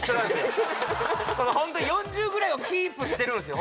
ホントに４０ぐらいをキープしてるんすよ